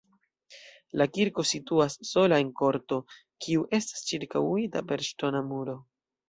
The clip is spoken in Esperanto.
La kirko situas sola en korto, kiu estas ĉirkaŭita per ŝtona muro.